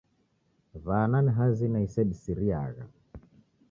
W'ana ni hazina isedisiriagha.